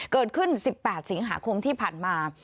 เกิดขึ้น๑๘สิงหาคมที่ผ่านมา